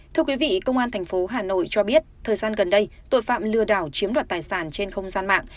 thưa quý vị công an thành phố hà nội cho biết thời gian gần đây tội phạm lừa đảo chiếm đoạt tài sản trên không gian mạng